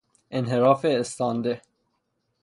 انحراف استانده